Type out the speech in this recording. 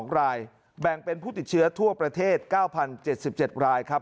๒รายแบ่งเป็นผู้ติดเชื้อทั่วประเทศ๙๐๗๗รายครับ